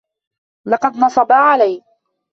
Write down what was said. لقد نصبا عليّ.